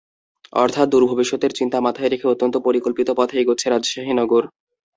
অর্থাৎ, দূর ভবিষ্যতের চিন্তা মাথায় রেখে অত্যন্ত পরিকল্পিত পথে এগোচ্ছে রাজশাহী নগর।